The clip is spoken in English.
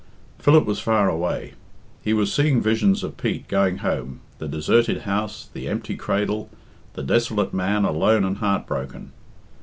Philip was far away. He was seeing visions of Pete going home, the deserted house, the empty cradle, the desolate man alone and heart broken.